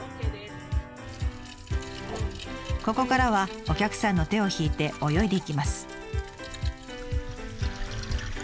ここからはお客さんの手を引いて泳いでいきます。